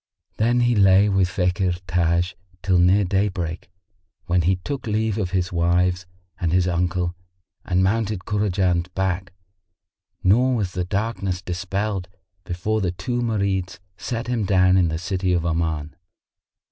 Then he lay with Fakhr Taj till near daybreak, when he took leave of his wives and his uncle and mounted Kurajan's back, nor was the darkness dispelled before the two Marids set him down in the city of Oman.